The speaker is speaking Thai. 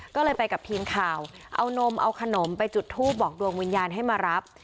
ก็เลยไปกับทีมข่าวเอานมเอาขนมไปจุดทูปบอกดวงวิญญาณให้มารับ